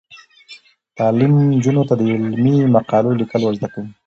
تعلیم نجونو ته د علمي مقالو لیکل ور زده کوي.